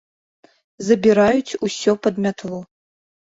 Забіраюць усё пад мятлу.